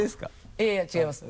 いやいや違います。